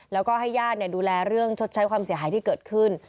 แล้วก็ให้ญาติดูแลเรื่องชดใช้ความเสียหายที่เกิดขึ้น